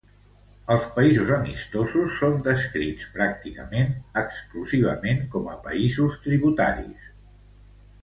Els països amistosos són descrits pràcticament exclusivament com a països tributaris.